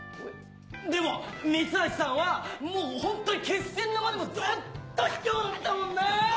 でも三橋さんはもうホントに決戦の場でもずっと卑怯だったもんな！